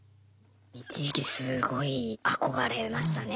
一時期すごい憧れましたね。